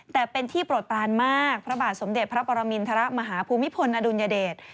แต่เป็นที่ปลดปลานมากพระบ่าสมเด็จพระปรมิณฑระมหาภูมิพลอดุญเดช